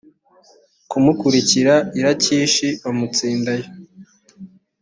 kumukurikira i lakishi bamutsindayo